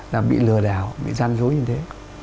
là bị lừa đảo bị gian dối như thế